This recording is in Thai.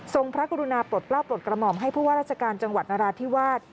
พระกรุณาปลดกล้าปลดกระหม่อมให้ผู้ว่าราชการจังหวัดนราธิวาส